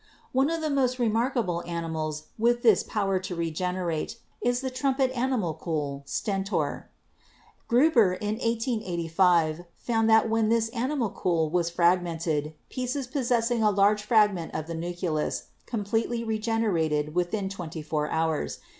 One of the most remarkable animals with this power to regenerate is the trumpet animalcule Stentor. Gruber in 1885 found that when this animalcule was frag mented, pieces possessing a large fragment of the nucleus completely regenerated within twenty four hours.